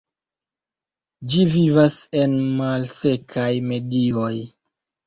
Ĝi vivas en malsekaj medioj.